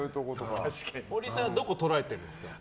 ホリさんはどこを捉えてるんですか。